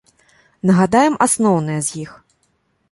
Нагадаем, асноўныя з іх.